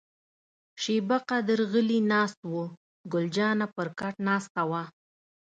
شیبه قدر غلي ناست وو، ګل جانه پر کټ ناسته وه.